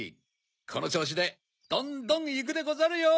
このちょうしでどんどんいくでござるよ！